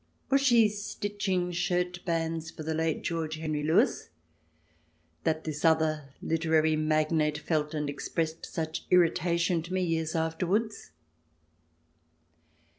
Was she stitching shirt bands for the late George Henry Lewis, that this other literary magnate felt and expressed such irritation to me years afterwards?